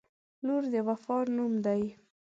• لور د وفا نوم دی.